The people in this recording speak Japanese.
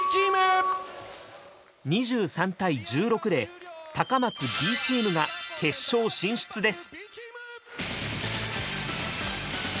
２３対１６で高松Ｂチームが決勝進出です。